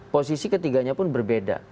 posisi ketiganya pun berbeda